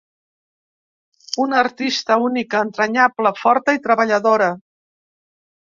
Una artista, única, entranyable, forta i treballadora.